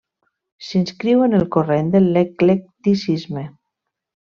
S'inscriu en el corrent de l'eclecticisme.